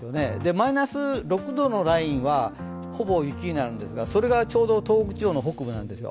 マイナス６度のラインはほぼ雪になるんですがそれがちょうど、東北地方の北部なんですよ。